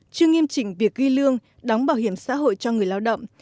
chưa nghiêm chỉnh việc ghi lương đóng bảo hiểm xã hội cho người lao động